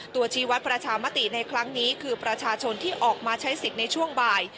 ชีวัตรประชามติในครั้งนี้คือประชาชนที่ออกมาใช้สิทธิ์ในช่วงบ่าย